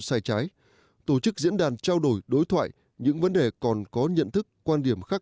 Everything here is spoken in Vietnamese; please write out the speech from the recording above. sai trái tổ chức diễn đàn trao đổi đối thoại những vấn đề còn có nhận thức quan điểm khác